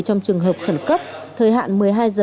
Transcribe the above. trong trường hợp khẩn cấp thời hạn một mươi hai h